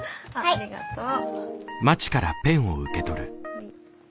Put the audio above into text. ありがとう。